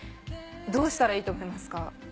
どうしたらいいと思いますか？